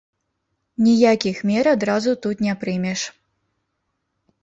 Ніякіх мер адразу тут не прымеш.